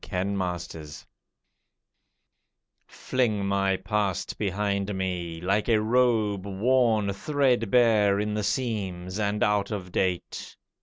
THE PAST Fling my past behind me, like a robe Worn threadbare in the seams, and out of date.